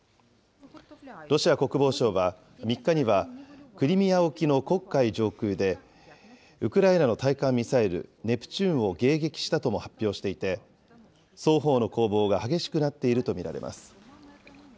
ロシア国防省は、３日には、クリミア沖の黒海上空で、ウクライナの対艦ミサイル、ネプチューンを迎撃したとも発表していて、双方の攻防が激しくなっていると見られます。